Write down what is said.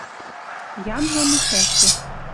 янжын лицӓшкӹ.